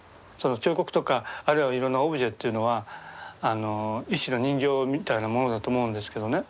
彫刻とかあるいはいろんなオブジェというのは一種の人形みたいなものだと思うんですけどね。